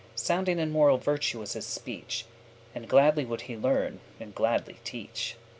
Sounding in moral virtue was his speech, And gladly would he learn, and gladly teach.